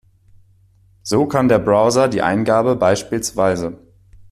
So kann der Browser die Eingabe bspw.